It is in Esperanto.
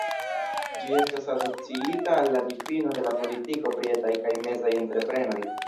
Ĝi estas asociita al la difino de la politiko pri etaj kaj mezaj entreprenoj.